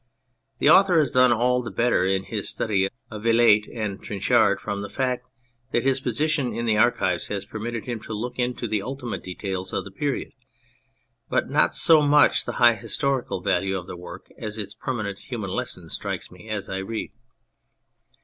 The author has done all the better in his study of Vilate and Trinchard from the fact that his position in the Archives has permitted him to look into the ultimate details of the period. But not so much the high historical value of the work as its permanent human lesson strikes me as I read.